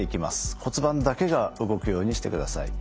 骨盤だけが動くようにしてください。